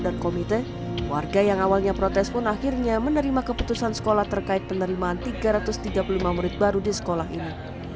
dan komite warga yang awalnya protes pun akhirnya menerima keputusan sekolah terkait penerimaan tiga ratus tiga puluh lima murid baru di sekolah ini